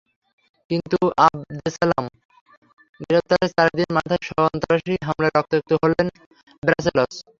কিন্তু আবদেসালাম গ্রেপ্তারের চার দিনের মাথায় সন্ত্রাসী হামলায় রক্তাক্ত হলো ব্রাসেলস।